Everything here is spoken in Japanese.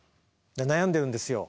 悩んでるんですよ。